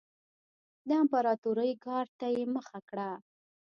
د امپراتورۍ ګارډ ته یې مخه کړه.